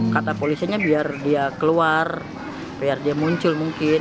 kata polisinya biar dia keluar biar dia muncul mungkin